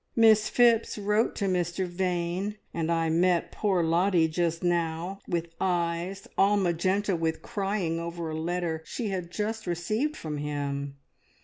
"Miss Phipps wrote to Mr Vane, and I met poor Lottie just now with eyes all magenta with crying over a letter she had just received from him.